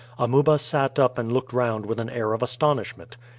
Amuba sat up and looked round with an air of astonishment.